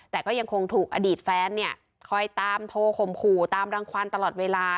แต่ก็ยังคงถูกอดีตแฟนเนี่ยคอยตามโทรข่มขู่ตามรังความตลอดเวลา